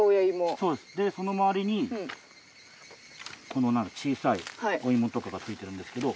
そうですでその周りにこの小さいお芋とかがついてるんですけど。